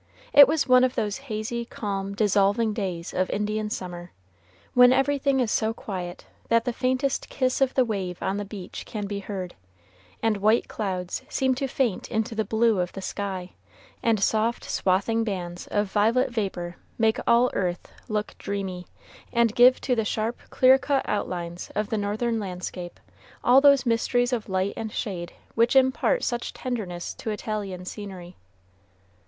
It was one of those hazy, calm, dissolving days of Indian summer, when everything is so quiet that the faintest kiss of the wave on the beach can be heard, and white clouds seem to faint into the blue of the sky, and soft swathing bands of violet vapor make all earth look dreamy, and give to the sharp, clear cut outlines of the northern landscape all those mysteries of light and shade which impart such tenderness to Italian scenery.